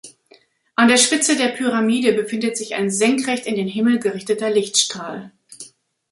An der Spitze der Pyramide befindet sich ein senkrecht in den Himmel gerichteter Lichtstrahl.